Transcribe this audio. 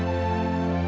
aku mau pergi